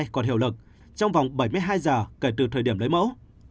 còn hiệu lực trong vòng bảy mươi hai giờ kể từ thời điểm lấy mẫu